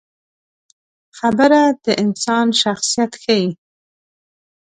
خبره د انسان شخصیت ښيي.